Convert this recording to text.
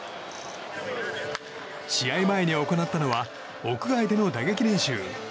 試合前に行ったのは屋外での打撃練習。